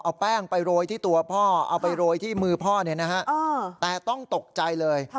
เอาแป้งไปโรยที่ตัวพ่อเอาไปโรยที่มือพ่อแต่ต้องตกใจเลย